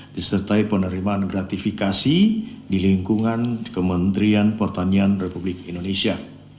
disertai penerimaan gratifikasi di lingkungan kementerian pertanian republik indonesia